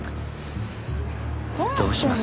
どうします？